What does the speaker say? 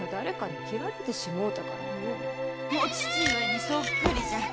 お父上にそっくりじゃ。